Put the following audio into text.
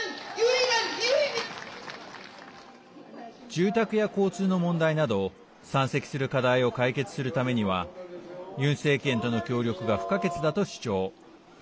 住宅や交通の問題など山積する課題を解決するためにはユン政権との協力が不可欠だと主張。